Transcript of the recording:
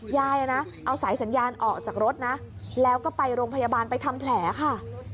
ยายนะเอาสายสัญญาณออกจากรถนะแล้วก็ไปโรงพยาบาลไปทำแผลค่ะ